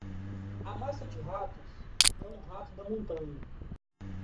A massa de ratos é um rato da montanha.